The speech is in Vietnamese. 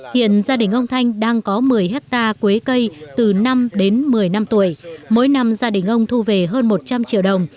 hiện gia đình ông thanh đang có một mươi hectare quế cây từ năm đến một mươi năm tuổi mỗi năm gia đình ông thu về hơn một trăm linh triệu đồng